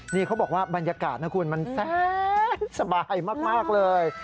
นี่เขาบอกว่าบรรยากาศนะคุณมันแสนสบายมากเลย